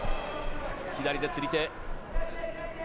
左で釣り手。